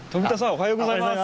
おはようございます。